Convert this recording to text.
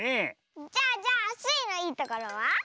じゃあじゃあスイのいいところは？